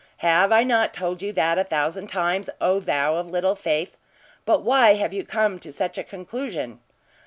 "Have I not told you that a thousand times, O thou of little faith? But why have you come to such a conclusion?"